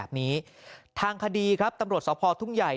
วันนี้ทีมข่าวไทยรัฐทีวีไปสอบถามเพิ่ม